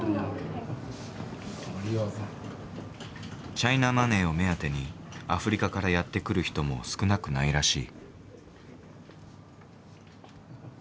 チャイナマネーを目当てにアフリカからやって来る人も少なくないらしい。